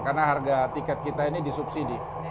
karena harga tiket kita ini disubsidi